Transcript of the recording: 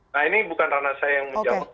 nah ini bukan rana saya yang menjawab